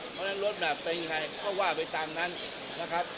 เพราะฉะนั้นรถแบบเป็นยังไงก็ว่าไปตามนั้นนะครับ